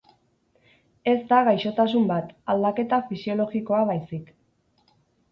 Ez da gaixotasun bat, aldaketa fisiologikoa baizik.